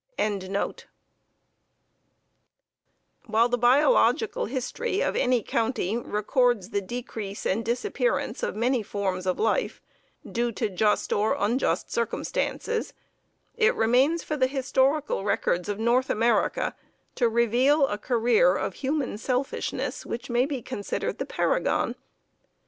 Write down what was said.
] While the biological history of any country records the decrease and disappearance of many forms of life due to just or unjust circumstances, it remains for the historical records of North America to reveal a career of human selfishness which may be considered the paragon.